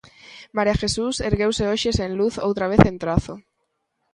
María Jesús ergueuse hoxe sen luz outra vez en Trazo.